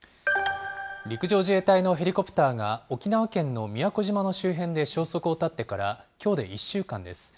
陸上自衛隊のヘリコプターが、沖縄県の宮古島の周辺で消息を絶ってからきょうで１週間です。